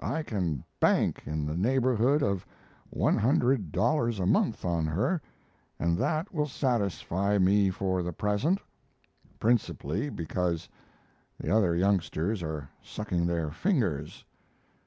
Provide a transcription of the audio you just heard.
I can "bank" in the neighborhood of $100 a month on her, and that will satisfy me for the present (principally because the other youngsters are sucking their fingers).